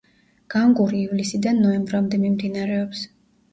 განგური ივლისიდან ნოემბრამდე მიმდინარეობს.